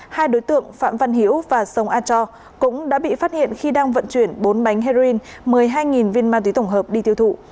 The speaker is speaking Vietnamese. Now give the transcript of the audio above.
hai đối tượng phạm văn hiễu và sông a cho cũng đã bị phát hiện khi đang vận chuyển bốn bánh heroin một mươi hai viên ma túy tổng hợp đi tiêu thụ